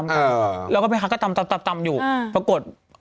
เค้าบอกเค้าขาดทุนเลยนะแม่